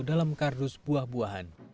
dalam kardus buah buahan